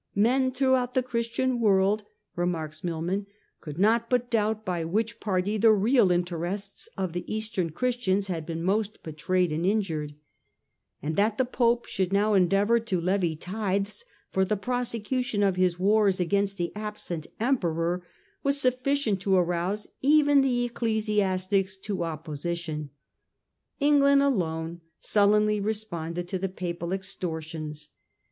" Men throughout the Christian world," remarks Milman, " could not but doubt by which party the real interests of the Eastern Christians had been most betrayed and injured "; and that the Pope should now endeavour to levy tithes for the prosecution of his wars against the absent Emperor was sufficient to arouse even the ecclesiastics to opposition. England alone sullenly responded to the Papal extortions.